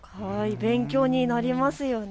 勉強になりますよね。